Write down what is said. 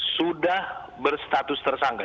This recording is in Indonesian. sudah bersatus tersangka